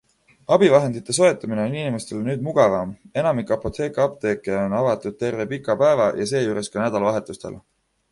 Abivahendite soetamine on inimestele nüüd mugavam - enamik Apotheka apteeke on avatud terve pika päeva ja seejuures ka nädalavahetustel.